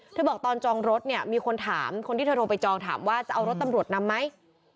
บอกตอนจองรถเนี่ยมีคนถามคนที่เธอโทรไปจองถามว่าจะเอารถตำรวจนำไหม